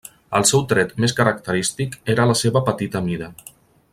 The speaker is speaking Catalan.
El seu tret més característic era la seva petita mida.